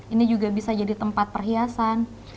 ini juga bisa jadi tempat perhiasan